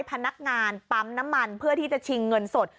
พนักงานปั๊มน้ำมันเพื่อที่จะชิงเงินสด